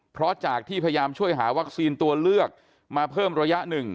เพราะจากที่พยายามช่วยหาวัคซีนตัวเลือกมาเพิ่มระยะหนึ่ง